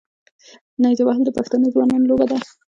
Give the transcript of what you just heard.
نیزه وهل د پښتنو ځوانانو لوبه ده.